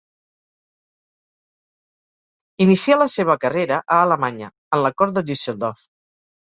Inicià la seva carrera a Alemanya, en la cort de Düsseldorf.